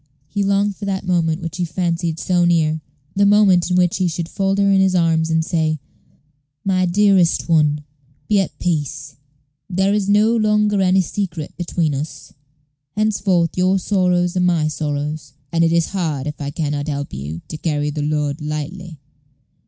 He longed for that moment which he fancied so near the moment in which he should fold her in his arms, and say, "My dearest one, be at peace; there is no longer any secret between us. Henceforth your sorrows are my sorrows, and it is hard if I can not help you to carry the load lightly.